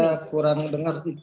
saya kurang mendengar